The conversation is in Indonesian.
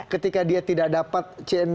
ketika dia tidak dapat c enam